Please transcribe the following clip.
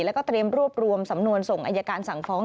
แล้วก็เตรียมรวบรวมสำนวนส่งอายการสั่งฟ้อง